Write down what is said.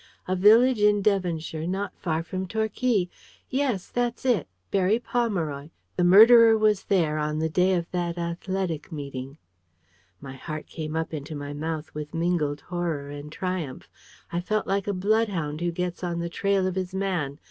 A village in Devonshire, not far from Torquay. Yes! That's it; Berry Pomeroy. The murderer was there on the day of that athletic meeting! My heart came up into my mouth with mingled horror and triumph. I felt like a bloodhound who gets on the trail of his man.